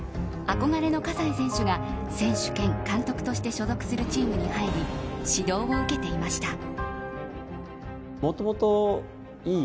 憧れの葛西選手が選手兼監督として所属するチームに入り指導を受けていました。